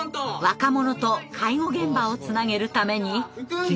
若者と介護現場をつなげるために。